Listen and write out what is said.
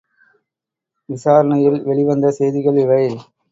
விசாரணையில் வெளி வந்த செய்திகள் இவை.